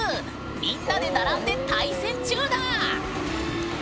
みんなで並んで対戦中だ！